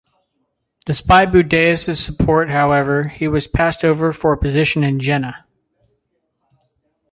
Despite Buddeus's support, however, he was passed over for a position in Jena.